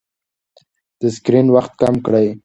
د سکرین وخت کم کړئ.